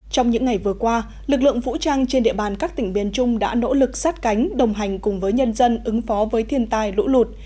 trong những ngày vừa qua lực lượng vũ trang trên địa bàn các tỉnh biên trung đã nỗ lực sát cánh đồng hành cùng với nhân dân ứng phó với thiên tai lũ lụt